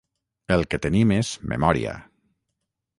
El que tenim és memòria.